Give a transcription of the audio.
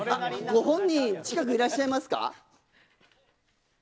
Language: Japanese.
ご本人近くいらっしゃいますか。